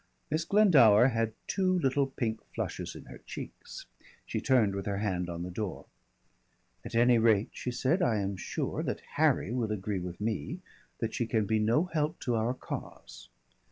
Miss Glendower had two little pink flushes in her cheeks. She turned with her hand on the door. "At any rate," she said, "I am sure that Harry will agree with me that she can be no help to our cause.